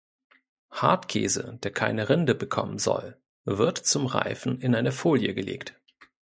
Hartkäse, der keine Rinde bekommen soll, wird zum Reifen in eine Folie gelegt.